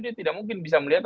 dia tidak mungkin bisa melihat